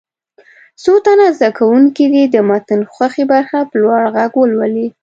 څو تنه زده کوونکي دې د متن خوښې برخه په لوړ غږ ولولي.